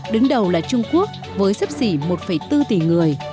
đứng đầu là trung quốc với sấp xỉ một bốn tỷ người